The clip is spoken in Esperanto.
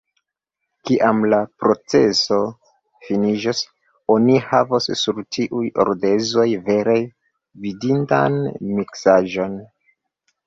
Kiam la proceso finiĝos, oni havos sur tiuj ardezoj vere vidindan miksaĵon!